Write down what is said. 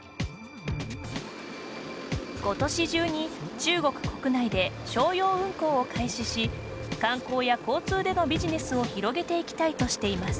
今年中に中国国内で商用運航を開始し観光や交通でのビジネスを広げていきたいとしています。